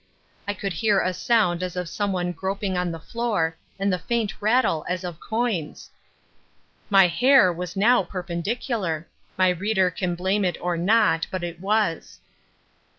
I could hear a sound as of some one groping on the floor and the faint rattle as of coins. My hair was now perpendicular. My reader can blame it or not, but it was.